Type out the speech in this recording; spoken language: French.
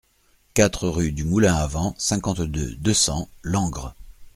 quatre rue du Moulin À Vent, cinquante-deux, deux cents, Langres